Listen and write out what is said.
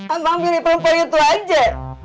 abang pilih perempuan itu aja